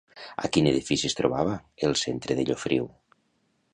A quin edifici es trobava el centre de Llofriu?